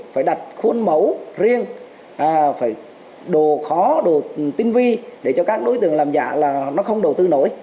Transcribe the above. phải đặt khuôn mẫu riêng đồ khó đồ tinh vi để cho các đối tượng làm hàng giả không đầu tư nổi